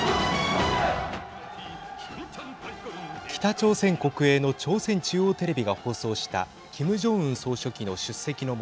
北朝鮮国営の朝鮮中央テレビが放送したキム・ジョンウン総書記の出席の下